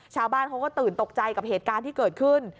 ชาวบ้านเขาก็ตื่นตกใจกับเหตุการณ์ที่เกิดขึ้น